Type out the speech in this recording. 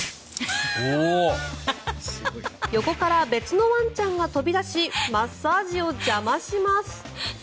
横から別のワンちゃんが飛び出しマッサージを邪魔します。